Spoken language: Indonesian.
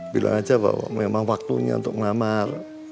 bilang aja bahwa memang waktunya untuk melamar